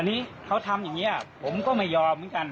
อันนี้เขาทำอย่างนี้ผมก็ไม่ยอมเหมือนกัน